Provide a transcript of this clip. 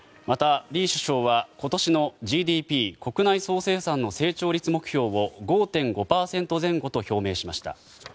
また、李首相は今年のＧＤＰ・国内総生産の成長率目標を５．５％前後と表明しました。